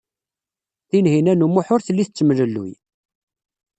Tinhinan u Muḥ ur telli tettemlelluy.